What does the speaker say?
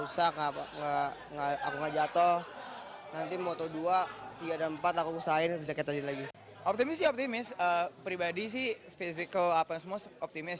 sih optimis pribadi sih physical apa semua optimis